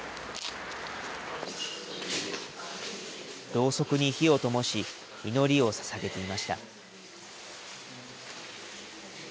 ろうそくに火をともし、祈りをささげていました。